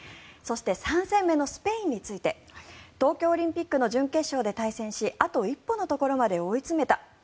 そして３戦目のスペインについて東京オリンピックの準決勝で対戦しあと一歩のところまで追い詰めた。